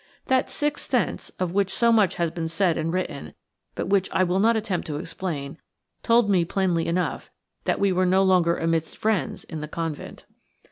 That sixth sense, of which so much has been said and written, but which I will not attempt to explain, told me plainly enough that we were no longer amidst friends in the convent.